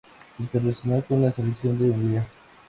Internacional con la selección de Hungría.